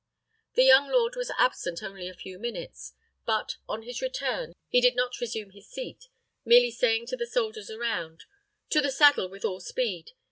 The young lord was absent only a few minutes; but, on his return, he did not resume his seat, merely saying to the soldiers around, "To the saddle with all speed.